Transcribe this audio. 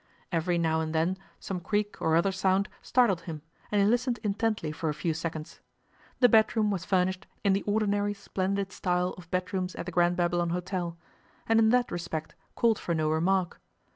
Every now and then some creak or other sound startled him, and he listened intently for a few seconds. The bedroom was furnished in the ordinary splendid style of bedrooms at the Grand Babylon Hôtel, and in that respect called for no remark.